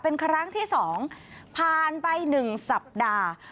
เป็นครั้งที่๒ผ่านไป๑สัปดาห์